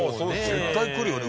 絶対来るよね。